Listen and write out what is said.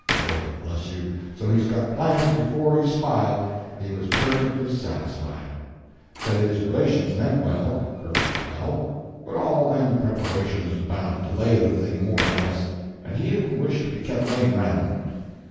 Lord bless you, so's he got planted before he sp'iled, he was perfectly satisfied; said his relations meant well, perfectly well, but all them preparations was bound to delay the thing more or less, and he didn't wish to be kept layin' round.